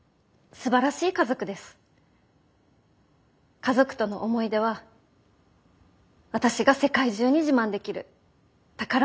家族との思い出は私が世界中に自慢できる宝物です。